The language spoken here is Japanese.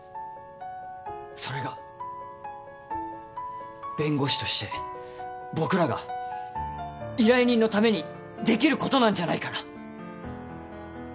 それが弁護士として僕らが依頼人のためにできることなんじゃないかな。